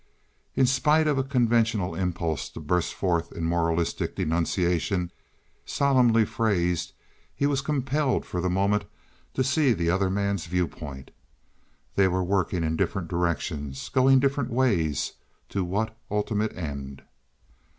In spite of a conventional impulse to burst forth in moralistic denunciation, solemnly phrased, he was compelled for the moment to see the other man's viewpoint. They were working in different directions, going different ways, to what ultimate end?